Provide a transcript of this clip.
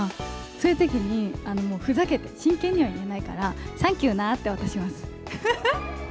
そういうときにふざけて、真剣には言えないから、サンキューな！って渡します。